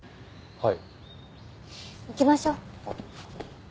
はい。